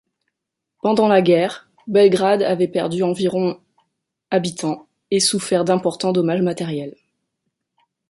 Pendant la guerre, Belgrade avait perdu environ habitants et souffert d’importants dommages matériels.